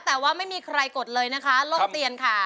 แต่ว่าไม่มีใครกดเลยนะคะล่มเตียนค่ะ